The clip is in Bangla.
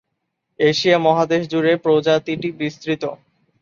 এশিয়া মহাদেশ জুড়ে প্রজাতিটি বিস্তৃত।